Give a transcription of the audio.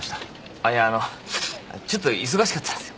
あっいやあのちょっと忙しかったんすよ。